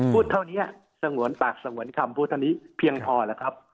เท่านี้สงวนปากสงวนคำพูดเท่านี้เพียงพอแล้วครับ